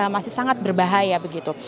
masih sangat berbahaya begitu